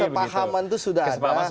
kesepakaman itu sudah ada